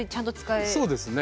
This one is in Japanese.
そうですね。